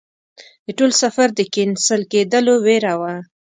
د ټول سفر د کېنسل کېدلو ویره وه.